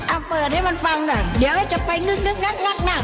อ่ะเปิดให้มันฟังด่ะเดี๋ยวจะไปหนึ่งนะเมื่อกว่าจะถ่ายได้